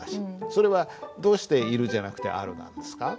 それはどうして「いる」じゃなくて「ある」なんですか？